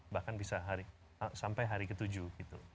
bahkan bisa sampai hari ke tujuh gitu